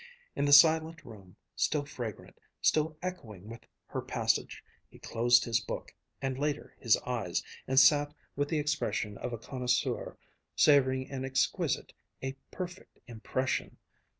In the silent room, still fragrant, still echoing with her passage, he closed his book, and later his eyes, and sat with the expression of a connoisseur savoring an exquisite, a perfect impression....